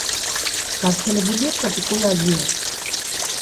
გავრცელებულია ტროპიკულ აზიაში.